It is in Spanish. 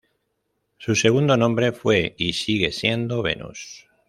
Su segundo nombre fue y sigue siendo "Venus".